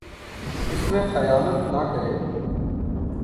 اس میں خیانت نہ کرے